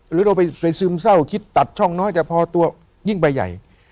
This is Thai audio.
หรือเราไปซึมเศร้าคิดตัดช่องน้อยจะพอตัวยิ่งไปใหญ่